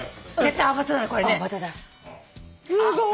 すごい。